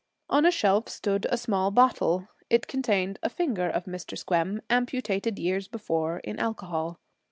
On a shelf stood a small bottle. It contained a finger of Mr. Squem, amputated years before, in alcohol.